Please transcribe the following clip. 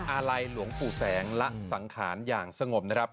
อาลัยหลวงปู่แสงละสังขารอย่างสงบนะครับ